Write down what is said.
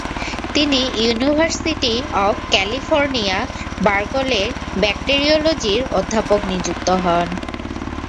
তিনি university of California, বার্কলের ব্যাক্টেরিওলজির অধ্যাপক নিযুক্ত হন।